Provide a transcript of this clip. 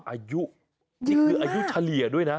อายุนี่คืออายุเฉลี่ยด้วยนะ